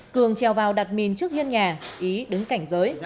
cường treo vào đặt mìn trước hiên nhà ý đứng cảnh giới